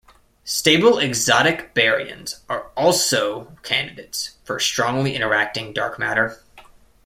Stable exotic baryons are also candidates for strongly interacting dark matter.